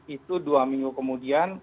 itu dua minggu kemudian